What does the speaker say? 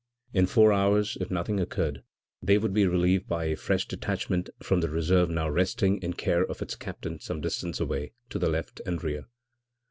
In four hours, if nothing occurred, they would be relieved by a fresh detachment from the reserve now resting in care of its captain some distance away to the left and rear.